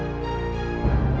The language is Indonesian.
asal gaan penuh apa pip